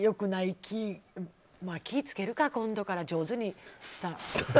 気を付けるか、今度から上手に。